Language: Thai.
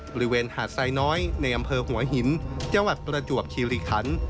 บริเวณหาดไซน้อยในอำเภอหัวหินจังหวัดประจวบคิริคัน